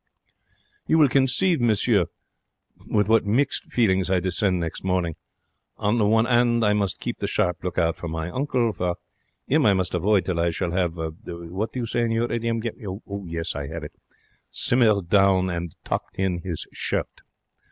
You will conceive, Monsieur, with what mixed feelings I descend next morning. On the one 'and, I must keep the sharp look out for my uncle, for 'im I must avoid till he shall have what do you say in your idiom? Yes, I have it simmered down and tucked in his shirt.